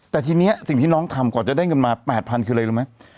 แต่ทีนี้สิ่งที่น้องทำก่อนจะได้เงินมา๘๐๐คืออะไรรู้ไหม